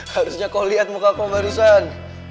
harusnya kau lihat muka aku barusan